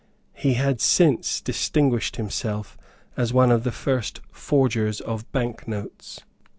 He had since distinguished himself as one of the first forgers of bank notes.